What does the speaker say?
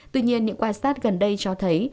tuy nhiên những quan sát gần đây cho thấy